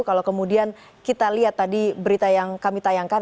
kalau kemudian kita lihat tadi berita yang kami tayangkan